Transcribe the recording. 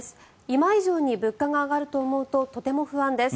今以上に物価が上がると思うととても不安です。